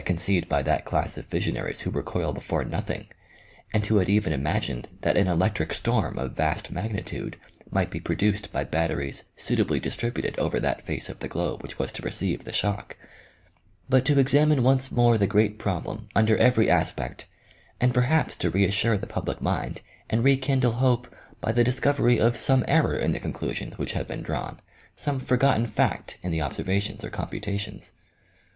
conceived by that class of visionaries who recoil before nothing, and who had even imagined that an electric storm of vast magnitude might be produced by batteries suitably distributed over that face of the globe which was to receive the shock but to examine once more the great problem under every aspect, and perhaps to reassure the public mind and rekindle hope by the discovery of some error in the conclusions which had been drawn, some forgotten fact in the observations or computations.